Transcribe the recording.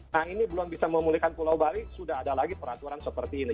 nah ini belum bisa memulihkan pulau bali sudah ada lagi peraturan seperti ini